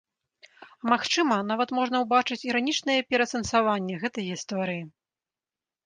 А магчыма, нават можна ўбачыць іранічнае пераасэнсаванне гэтай гісторыі.